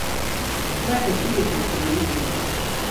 Vai tad bija tik grūti?